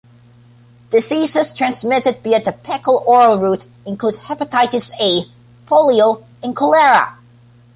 Diseases transmitted via the fecal-oral route include hepatitis A, polio, and cholera.